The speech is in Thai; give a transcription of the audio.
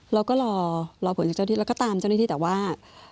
เราก็รอรอผลจากเจ้าที่แล้วก็ตามเจ้าหน้าที่แต่ว่า